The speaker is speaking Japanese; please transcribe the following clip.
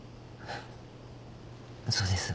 そうです。